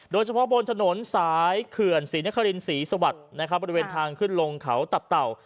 โดยเฉพาะบนถนนสายเขื่อนศรีนครินศรีสวัสดิ์นะครับบริเวณทางขึ้นลงเขาตับเต่า